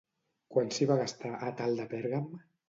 Quant s'hi va gastar Àtal de Pèrgam?